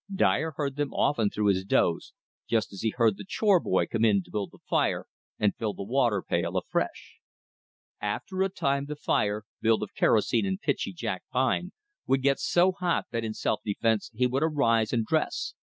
Dyer heard them often through his doze, just as he heard the chore boy come in to build the fire and fill the water pail afresh. After a time the fire, built of kerosene and pitchy jack pine, would get so hot that in self defense he would arise and dress.